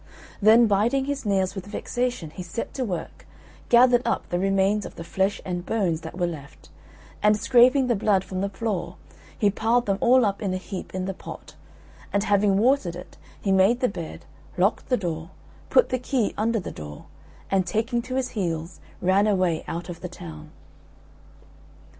Then, biting his nails with vexation, he set to work, gathered up the remains of the flesh and bones that were left, and scraping the blood from the floor, he piled them all up in a heap in the pot; and having watered it, he made the bed, locked the door, put the key under the door, and taking to his heels ran away out of the town.